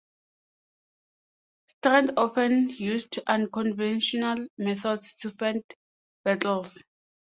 Strand often used unconventional methods to find beetles.